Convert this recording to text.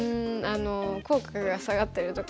口角が下がってるとか。